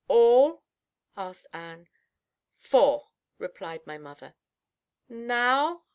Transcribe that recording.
"All? asked Ann. "Four," replied my mother. "Now?"